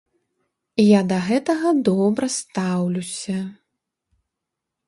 Я да гэтага добра стаўлюся.